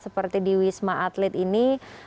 seperti di wisma atlet ini